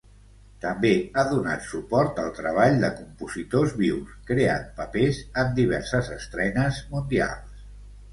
També ha donat suport al treball de compositors vius, creant papers en diverses estrenes mundials.